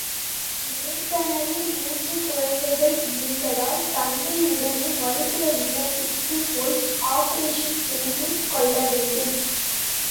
ஏற்கனவே மூன்று குழந்தைகள் இருந்தால் தந்தை உடனேயே மருத்துவ இல்லத்துக்குப் போய் ஆப்பரேஷன் செய்து கொள்ளவேண்டும்.